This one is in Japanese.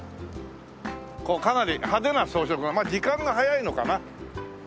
かなり派手な装飾がまあ時間が早いのかな？